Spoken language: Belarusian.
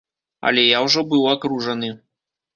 Але я ўжо быў акружаны.